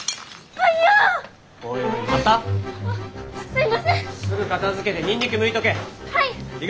はい！